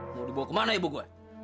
mau dibawa kemana ibu gua